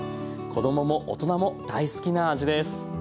子供も大人も大好きな味です。